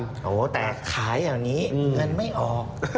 แต่ขายอย่างนี้เงินไม่ออก